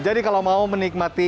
jadi kalau mau menikmati